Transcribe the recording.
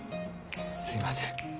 すいません